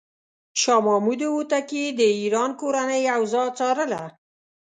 شاه محمود هوتکی د ایران کورنۍ اوضاع څارله.